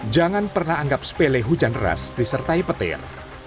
jangan pernah anggap sepele hujan deras disertai petir